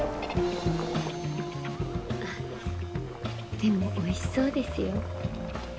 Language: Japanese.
でもおいしそうですよ。